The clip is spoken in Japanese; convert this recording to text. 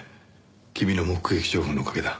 君の目撃情報のおかげだ。